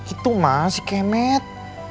itu mas si kemet